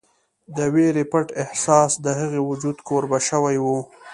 د وېرې پټ احساس د هغې وجود کوربه شوی و